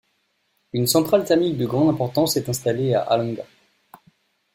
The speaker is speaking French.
Une centrale thermique de grande importance est installée à Halânga.